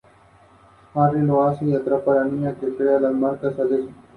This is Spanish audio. Hospital de St.